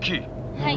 はい。